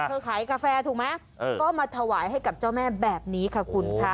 ขายกาแฟถูกไหมก็มาถวายให้กับเจ้าแม่แบบนี้ค่ะคุณค่ะ